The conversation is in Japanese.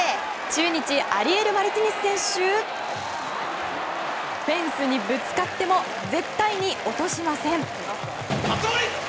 中日アリエル・マルティネス選手フェンスにぶつかっても絶対に落としません。